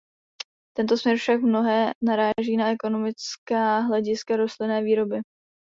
Tento směr však v mnohém naráží na ekonomická hlediska rostlinné výroby.